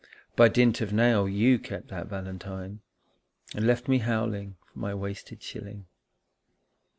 By dint of nail you kept that valentine, And left me howling for my wasted shilling.